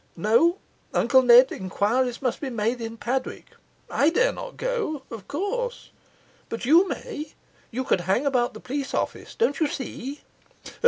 No, Uncle Ned, enquiries must be made in Padwick; I dare not go, of course; but you may you could hang about the police office, don't you see?